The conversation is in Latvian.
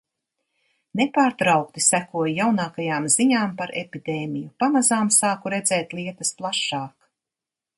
Nepārtraukti sekoju jaunākajām ziņām par epidēmiju. Pamazām sāku redzēt lietas plašāk.